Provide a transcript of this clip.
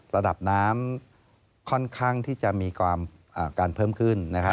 ระดับน้ำค่อนข้างที่จะมีการเพิ่มขึ้น